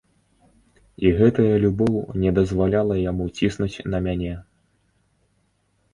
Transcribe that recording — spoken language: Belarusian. І гэтая любоў не дазваляла яму ціснуць на мяне.